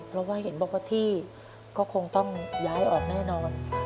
เพราะว่าเห็นบอกว่าที่ก็คงต้องย้ายออกแน่นอน